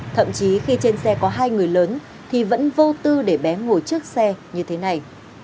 thậm chí khi trên xe có hai người lớn thì vẫn vô tư để bé ngồi trước xe như thế này